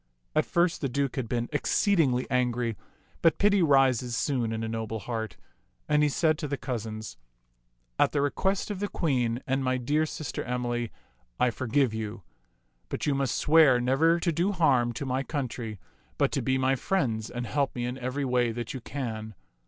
At first the Duke had been exceedingly angry, but pity rises soon in a noble heart, and he said to the cousins, " At the 34 ^§^ Mn\^^f0 tak request of the Queen and my dear sister Emily I for give you ; but you must swear never to do harm to my country, but to be my friends and help me in every way that you can."